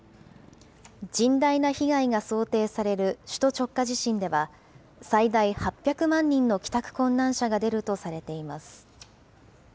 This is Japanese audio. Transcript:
甚大な被害が想定される首都直下地震では、最大８００万人の帰宅困難者が出るとされています。